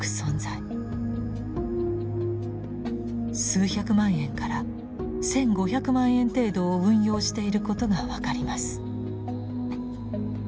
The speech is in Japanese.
数百万円から１，５００万円程度を運用していることが分かります。